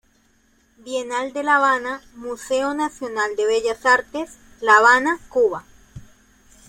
Bienal de La Habana, Museo Nacional de Bellas Artes, La Habana, Cuba.